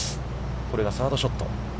これがサードショット。